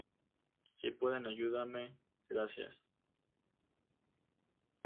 Si pueden ayúdame. Gracias